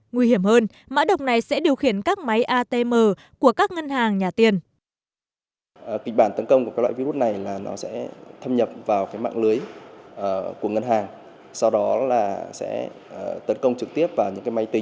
nguy hiểm hơn mã độc này sẽ điều khiển các máy atm của các ngân hàng nhà tiền